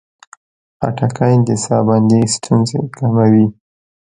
خټکی د ساه بندي ستونزې کموي.